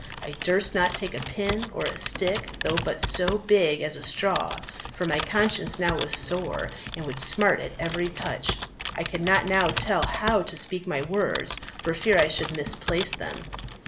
I durst not take a pin or a stick, though but so big as a straw, for my conscience now was sore and would smart at every touch. I could not now tell how to speak my words for fear I should misplace them."